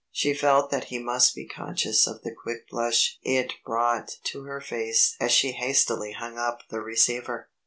She felt that he must be conscious of the quick blush it brought to her face as she hastily hung up the receiver.